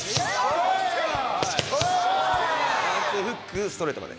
フックストレートまで。